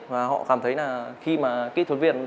và họ cảm thấy là khi mà kỹ thuật viên